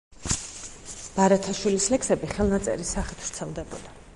ბარათაშვილის ლექსები ხელნაწერის სახით ვრცელდებოდა.